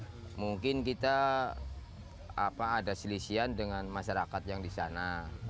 jadi mungkin kita ada selisian dengan masyarakat yang di sana